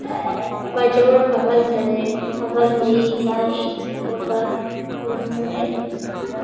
باجوړ هغلته دی، هغلته یې ځای ښوده، نه سړی.